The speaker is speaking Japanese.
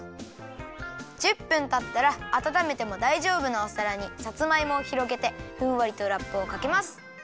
１０分たったらあたためてもだいじょうぶなおさらにさつまいもをひろげてふんわりとラップをかけます。